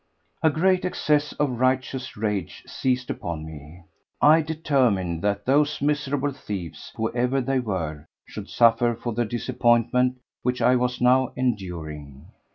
A great access of righteous rage seized upon me. I determined that those miserable thieves, whoever they were, should suffer for the disappointment which I was now enduring.